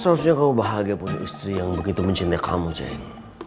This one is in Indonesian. seharusnya kamu bahagia punya istri yang begitu mencintai kamu jadi